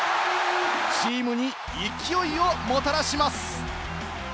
チームに勢いをもたらします。